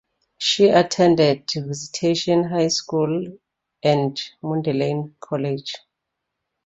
She attended Visitation High School and Mundelein College.